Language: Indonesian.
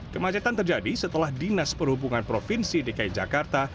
kemacetan terjadi setelah dinas perhubungan provinsi dki jakarta